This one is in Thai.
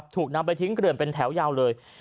ถูกนำไปทิ้งเกลื่อนเป็นแถวยาวเลย